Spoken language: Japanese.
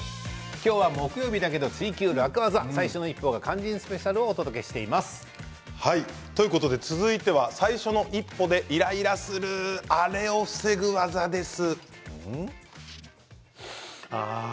今日は木曜日だけど「ツイＱ楽ワザ」最初の一歩が肝心スペシャルを続いては最初の一歩でイライラするあれを防ぐ技です。